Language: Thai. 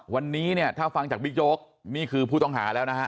วันนี้ถ้าฟังจากบิ๊กโย๊คพูดต้องหาแล้วนะคะ